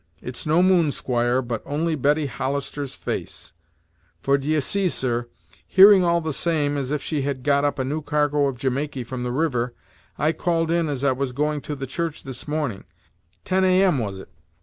It's no moon, squire, but only Betty Hollister's face; for, d'ye see, sir, hearing all the same as if she had got up a new cargo of Jamaiky from the river, I called in as I was going to the church this morning ten A.M. was it?